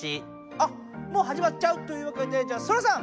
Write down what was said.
あもうはじまっちゃう！というわけでじゃあソラさん。